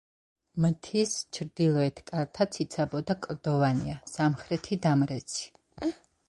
მთის ჩრდილოეთ კალთა ციცაბო და კლდოვანია, სამხრეთი დამრეცი.